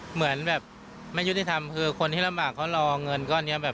เหมือนแบบไม่ยุติธรรมคือคนที่ลำบากเขารอเงินก้อนนี้แบบ